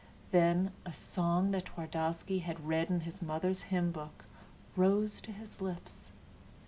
Then a song that Twardowski had read in his mother's hymn book rose to his lips.